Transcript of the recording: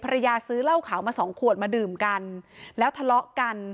ซื้อเหล้าขาวมาสองขวดมาดื่มกันแล้วทะเลาะกัน